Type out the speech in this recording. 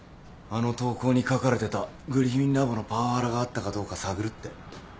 あの投稿に書かれてたグリフィン・ラボのパワハラがあったかどうか探るって？